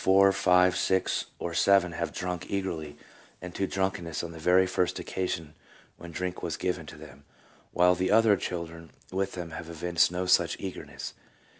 four, five, six, or seven have drunk eagerly and to drunkenness on the very first occasion when drink was given to them, while the other children with them have evinced no such eagerness."